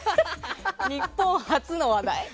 日本初の話題。